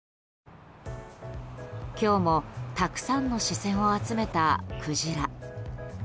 今日もたくさんの視線を集めたクジラ。